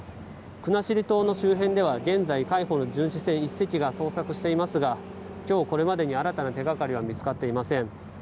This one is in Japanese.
国後島周辺では現在、海保の巡視船１隻が捜索していますが今日これまでに新たな手掛かりは見つかっていません。